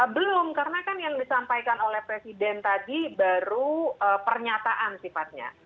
belum karena kan yang disampaikan oleh presiden tadi baru pernyataan sifatnya